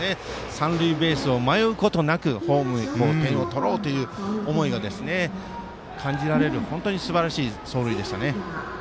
三塁ベースを迷うことなく、ホームへ点を取ろうという思いが感じられるすばらしい走塁でしたね。